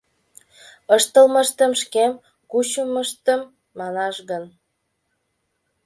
Ыштылмыштым, шкем кучымыштым манаш гын...